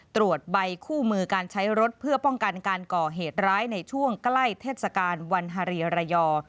ตรวจใบคู่มือการใช้รถเพื่อป้องกันการก่อเหตุร้ายในช่วงใกล้เทศกาลวันฮาเรีย